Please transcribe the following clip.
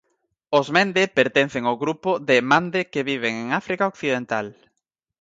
Os mende pertencen ó grupo de mande que viven en África occidental.